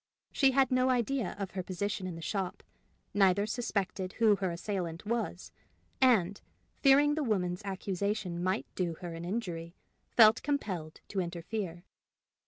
She had no idea of her position in the shop, neither suspected who her assailant was, and, fearing the woman's accusation might do her an injury, felt compelled to interfere.